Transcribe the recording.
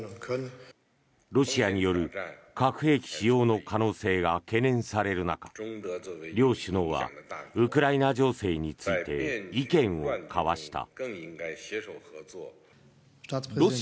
ロシアによる核兵器使用の可能性が懸念される中両首脳はウクライナ情勢について意見を交わした。